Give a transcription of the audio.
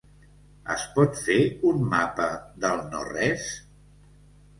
Es pot fer un mapa del no-res?